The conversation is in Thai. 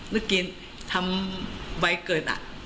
ลูกกินทำไว้เกิดอ่ะ